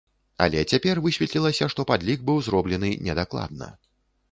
Але цяпер высветлілася, што падлік быў зроблены недакладна.